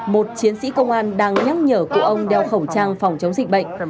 một chiến sĩ công an đang nhắc nhở cụ ông đeo khẩu trang phòng chống dịch bệnh